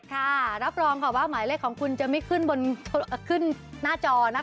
ค่ะรับรองค่ะว่าหมายเลขของคุณจะไม่ขึ้นบนขึ้นหน้าจอนะคะ